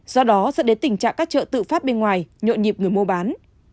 do đó dẫn đến tình trạng các chợ tự phát bên ngoài nhộn nhịp người mua bán